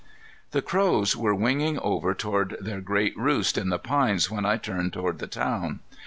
The crows were winging over toward their great roost in the pines when I turned toward the town.